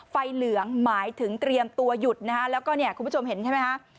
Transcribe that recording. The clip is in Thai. ไฟเหลืองหมายถึงเตรียมตัวหยุดแล้วก็คุณผู้ชมเห็นใช่ไหมคะ